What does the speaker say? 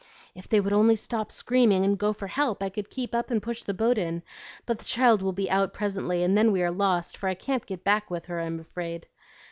"If they would only stop screaming and go for help, I could keep up and push the boat in; but the child will be out presently and then we are lost, for I can't get back with her, I'm afraid."